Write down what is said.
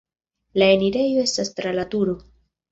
La enirejo estas tra la turo.